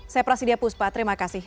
saya prasidya puspa terima kasih